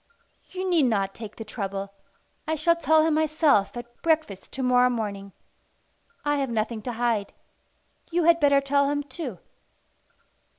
"You need not take the trouble. I shall tell him myself at breakfast to morrow morning. I have nothing to hide. You had better tell him too."